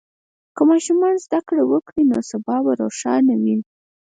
که ماشوم زده کړه وکړي، نو سبا به روښانه وي.